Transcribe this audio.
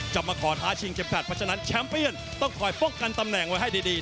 มาขอท้าชิงเข็มขัดเพราะฉะนั้นแชมป์เปียนต้องคอยป้องกันตำแหน่งไว้ให้ดี